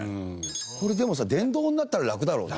これでもさ電動になったらラクだろうね。